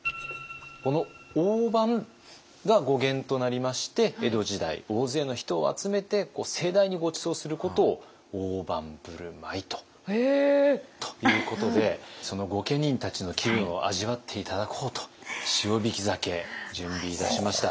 この「飯」が語源となりまして江戸時代大勢の人を集めて盛大にごちそうすることを「大盤振る舞い」ということでその御家人たちの気分を味わって頂こうと塩引き鮭準備いたしました。